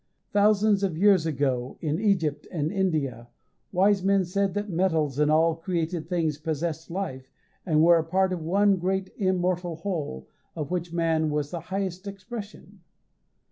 Thousands of years ago, in Egypt and India, wise men said that metals and all created things possessed life, and were a part of one great immortal whole, of which man was the highest expression.